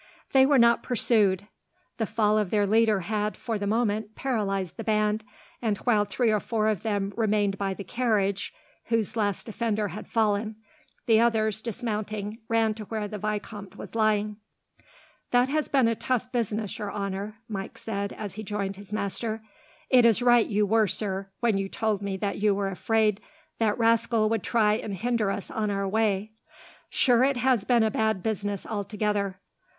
They were not pursued. The fall of their leader had, for the moment, paralysed the band, and while three or four of them remained by the carriage whose last defender had fallen the others, dismounting, ran to where the vicomte was lying. "That has been a tough business, your honour," Mike said, as he joined his master. "It is right you were, sir, when you told me that you were afraid that rascal would try and hinder us on our way. Sure it has been a bad business, altogether.